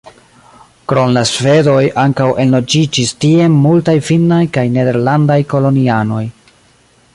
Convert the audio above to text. Krom la svedoj ankaŭ enloĝiĝis tien multaj finnaj kaj nederlandaj kolonianoj.